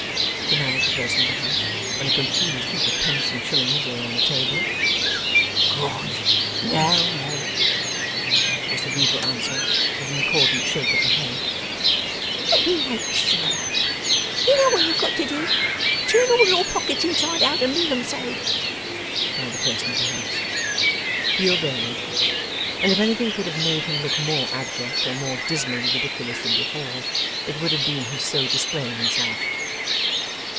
demanded the person of the house, when a confused heap of pence and shillings lay on the table. 'Got no more,' was the rueful answer, with an accordant shake of the head. 'Let me make sure. You know what you've got to do. Turn all your pockets inside out, and leave 'em so!' cried the person of the house. He obeyed. And if anything could have made him look more abject or more dismally ridiculous than before, it would have been his so displaying himself.